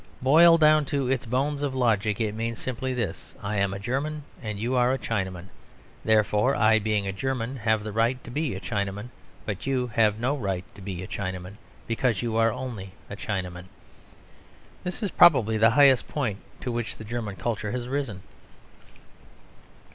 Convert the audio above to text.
Boiled down to its bones of logic, it means simply this: "I am a German and you are a Chinaman. Therefore I, being a German, have a right to be a Chinaman. But you have no right to be a Chinaman; because you are only a Chinaman." This is probably the highest point to which the German culture has risen.